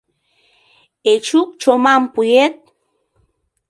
Эчук Чомам пуэт?